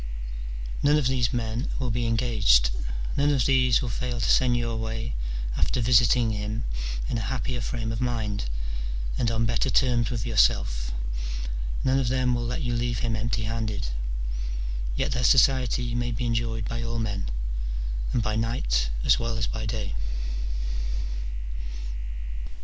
None of these men will be "en CH. XY.] OF THE SHORTNESS OF LIFE. 311 gaged," none of these will fail to send you away after visiting him in a happier frame of mind and on better terms with yourself, none of them will let you leave him empty handed : yet their society may be enjoyed by all men, and by night as well as by day.